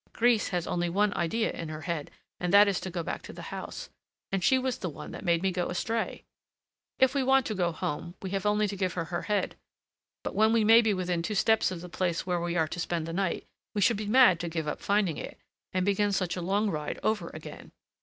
Grise has only one idea in her head, and that is to go back to the house, and she was the one that made me go astray. If we want to go home, we have only to give her her head. But when we may be within two steps of the place where we are to spend the night, we should be mad to give up finding it, and begin such a long ride over again.